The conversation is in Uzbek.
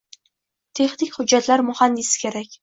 Texnik hujjatlar muhandisi kerak